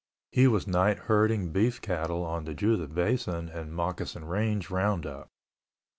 He was night herding beef cattle on the Judith Basin and Moccasin Range roundup.